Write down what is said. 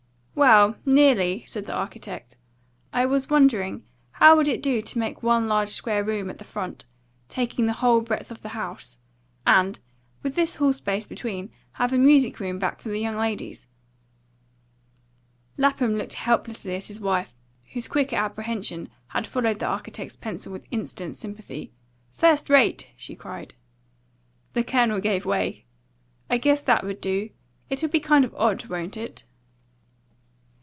"Well, nearly," said the architect. "I was wondering how would it do to make one large square room at the front, taking the whole breadth of the house, and, with this hall space between, have a music room back for the young ladies?" Lapham looked helplessly at his wife, whose quicker apprehension had followed the architect's pencil with instant sympathy. "First rate!" she cried. The Colonel gave way. "I guess that would do. It'll be kind of odd, won't it?"